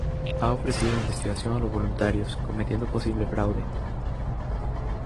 Ha ofrecido investigación a los voluntarios, cometiendo posible fraude.